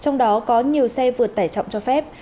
trong đó có nhiều xe vượt tải trọng cho phép